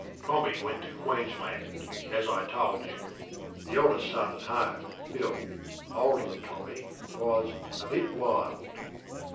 Tommy went to Queensland, as I told you. The eldest son at home, Bill (older than Tommy), was ŌĆÖa bit wild.